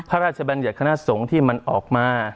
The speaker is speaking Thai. พระราชบัญญัติคณะสงฆ์ที่มันออกมา